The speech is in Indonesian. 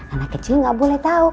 anak kecil gak boleh tau